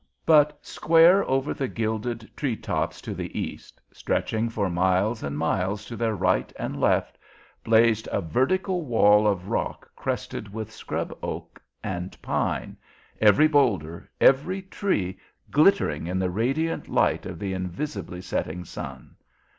But square over the gilded tree tops to the east, stretching for miles and miles to their right and left, blazed a vertical wall of rock crested with scrub oak and pine, every boulder, every tree, glittering in the radiant light of the invisibly setting sun.